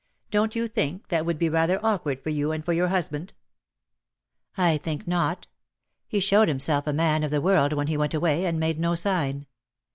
Don't you think that would be rather awkward for you and for your husband?" "I think not. He showed himself a man of the world when he went away, and made no sign.